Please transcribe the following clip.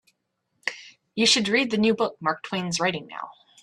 You should read the new book Mark Twain's writing now.